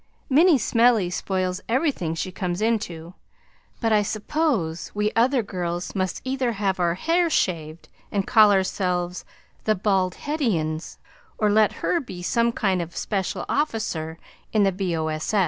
Minnie Smellie spoils everything she comes into but I suppose we other girls must either have our hair shaved and call ourselves The Baldheadians or let her be some kind of a special officer in the B.O.